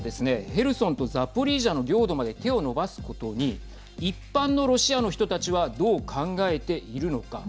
ヘルソンとザポリージャの領土まで手を伸ばすことに一般のロシアの人たちはどう考えているのか。